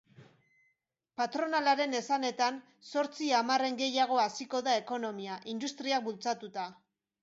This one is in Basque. Patronalaren esanetan, zortzi hamarren gehiago haziko da ekonomia, industriak bultzatuta.